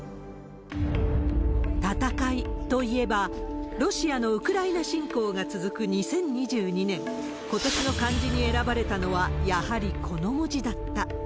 戦いといえば、ロシアのウクライナ侵攻が続く２０２２年、今年の漢字に選ばれたのはやはりこの文字だった。